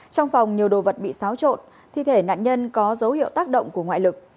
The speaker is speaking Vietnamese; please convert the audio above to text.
trong phòng nhiều đồ vật bị xáo trộn thi thể nạn nhân có dấu hiệu tác động của ngoại lực